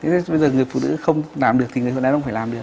thế bây giờ người phụ nữ không làm được thì người đàn ông phải làm được